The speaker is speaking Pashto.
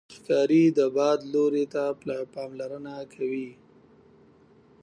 ښکاري د باد لوري ته پاملرنه کوي.